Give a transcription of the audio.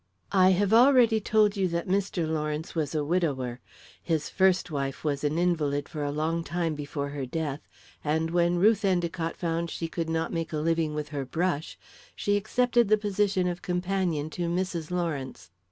"I have already told you that Mr. Lawrence was a widower. His first wife was an invalid for a long time before her death, and when Ruth Endicott found she could not make a living with her brush, she accepted the position of companion to Mrs. Lawrence.